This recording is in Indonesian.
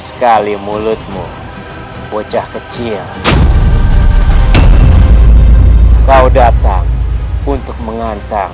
ya allah semoga kakinya tidak ada apa apa